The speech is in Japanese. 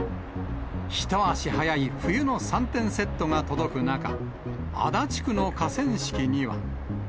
一足早い冬の３点セットが届く中、足立区の河川敷には。